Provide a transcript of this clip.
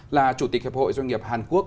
là chủ tịch hợp hội doanh nghiệp hàn quốc